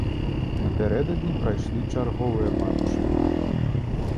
Напярэдадні прайшлі чарговыя матчы.